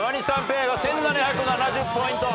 ペアが１，７７０ポイント。